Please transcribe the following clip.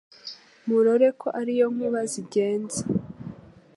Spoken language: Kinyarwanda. Murore ko ari yo nkuba zigenza